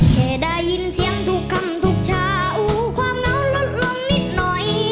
แค่ได้ยินเสียงทุกคำทุกชาอูความเงาลดลงนิดหน่อย